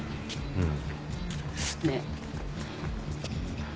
うん。